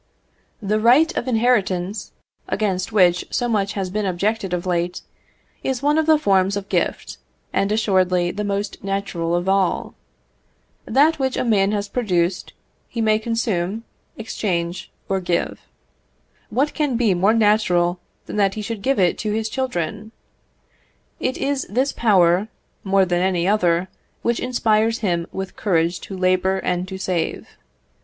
The right of inheritance, against which so much has been objected of late, is one of the forms of gift, and assuredly the most natural of all. That which a man has produced, he may consume, exchange, or give. What can be more natural than that he should give it to his children? It is this power, more than any other, which inspires him with courage to labour and to save.